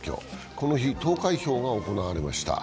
この日、投開票が行われました。